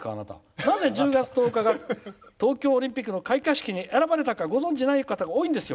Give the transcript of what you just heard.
なぜ、１０月１０日が東京オリンピックの開会式に選ばれたかご存じない方が多いんですよ。